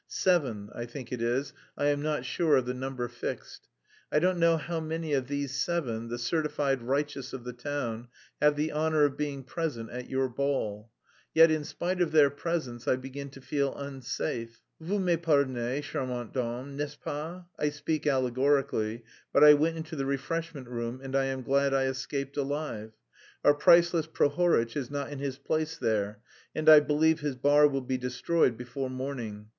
seven, I think it is, I am not sure of the number fixed.... I don't know how many of these seven, the certified righteous of the town... have the honour of being present at your ball. Yet in spite of their presence I begin to feel unsafe. Vous me pardonnez, charmante dame, n'est ce pas? I speak allegorically, but I went into the refreshment room and I am glad I escaped alive.... Our priceless Prohoritch is not in his place there, and I believe his bar will be destroyed before morning.